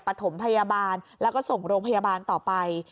ปฐมพยาบาลแล้วก็ส่งโรงพยาบาลต่อไป